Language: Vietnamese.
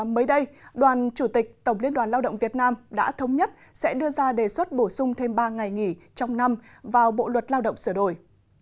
mới đây đoàn chủ tịch tổng liên đoàn lao động việt nam đã thống nhất sẽ đưa ra đề xuất bổ sung thêm ba ngày nghỉ trong năm vào bộ luật lao động sửa đổi